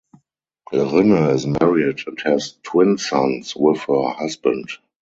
Rinne is married and has twin sons with her husband.